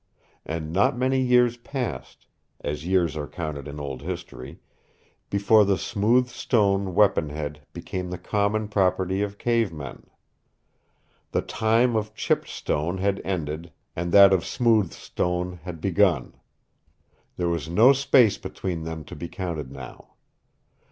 And not many years passed as years are counted in old history before the smoothed stone weaponhead became the common property of cave men. The time of chipped stone had ended and that of smoothed stone had begun. There was no space between them to be counted now.